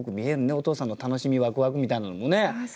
お父さんの楽しみワクワクみたいなのもね。